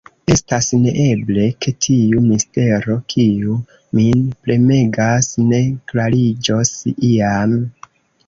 Estas neeble, ke tiu mistero, kiu min premegas, ne klariĝos iam.